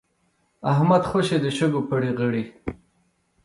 احمد خوشی د شګو پړي غړي.